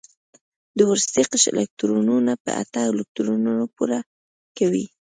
د وروستي قشر الکترونونه په اته الکترونونو پوره کوي.